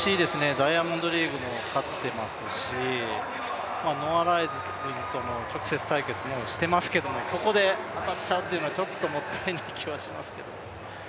ダイヤモンドリーグも勝っていますしノア・ライルズとも直接対決していますけど、ここで当たっちゃうというのはちょっともったいない気がしますけど。